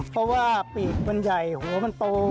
เพราะว่าปีกมันใหญ่หัวมันโต